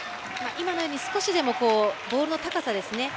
今のように少しでもボールの高さですね。